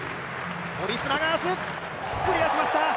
オリスラガースクリアしました。